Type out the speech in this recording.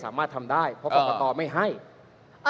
คุณเขตรัฐพยายามจะบอกว่าโอ้เลิกพูดเถอะประชาธิปไตย